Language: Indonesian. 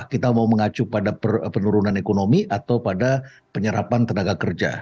kita mau mengacu pada penurunan ekonomi atau pada penyerapan tenaga kerja